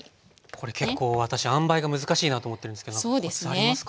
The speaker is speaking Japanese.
これ結構私あんばいが難しいなと思ってるんですけどコツありますか？